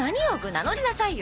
名乗りなさいよ。